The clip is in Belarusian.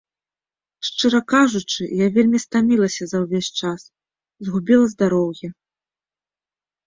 Шчыра кажучы, я вельмі стамілася за ўвесь час, згубіла здароўе.